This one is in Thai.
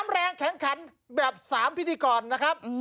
แรงแข็งขันแบบ๓พิธีกรนะครับ